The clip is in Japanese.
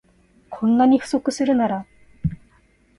こんなに不足するなら